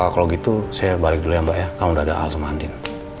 kalo gitu saya balik dulu ya mbak ya kalau udah ada hal sama andin